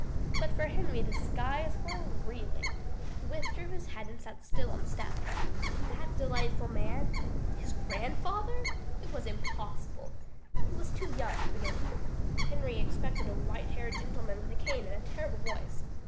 But for Henry the skies were reeling. He withdrew his head and sat still on the step. That delightful man his grandfather? It was impossible. He was too young, to begin with. Henry expected a white haired gentleman with a cane and a terrible voice.